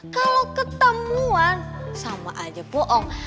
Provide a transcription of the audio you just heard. kalau ketemuan sama aja bohong